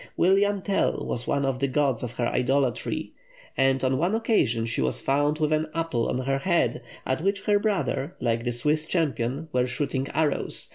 William Tell was one of the gods of her idolatry, and on one occasion she was found with an apple on her head, at which her brothers, like the Swiss champion, were shooting arrows!